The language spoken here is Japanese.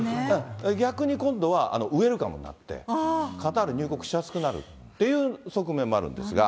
逆に今度は、ウエルカムになって、カタール入国しやすくなるっていう側面もあるんですが。